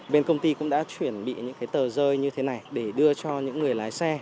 bên công ty cũng đã chuẩn bị những cái tờ rơi như thế này để đưa cho những người lái xe